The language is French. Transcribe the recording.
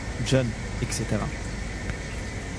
John, etc.